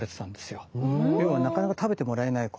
ようはなかなか食べてもらえないお米。